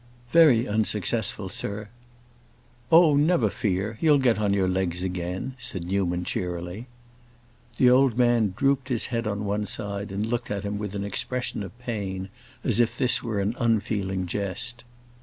"Very unsuccessful, sir." "Oh, never fear, you'll get on your legs again," said Newman cheerily. The old man drooped his head on one side and looked at him with an expression of pain, as if this were an unfeeling jest.